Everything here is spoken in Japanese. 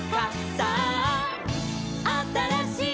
「さああたらしい」